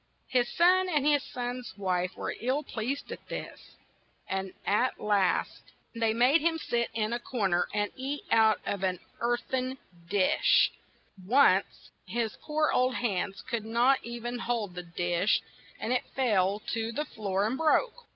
His son and his son's wife were ill pleased at this, and at last they made him sit in a cor ner, and eat out of an earth en dish 138 THE OLD MAN AND HIS GRANDSON Once his poor old hands could not hold e ven the dish, and it fell to the floor and broke.